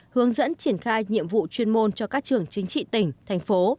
hướng dẫn triển khai nhiệm vụ chuyên môn cho các trường chính trị tỉnh thành phố